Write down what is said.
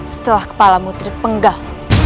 setelah kepalamu terpenggal